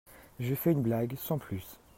Je fais une blague, sans plus.